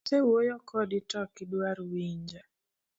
Asewuoyo kodi to ok idwar winja.